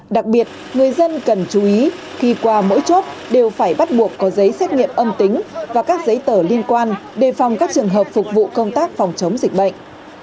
đặc biệt người dân cần chú ý khi qua mỗi chốt đều phải bắt buộc có giấy xét nghiệm âm tính và các giấy tờ liên quan đề phòng các trường hợp phục vụ công tác phòng chống dịch bệnh